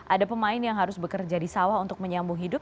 ada pemain yang harus bekerja di sawah untuk menyambung hidup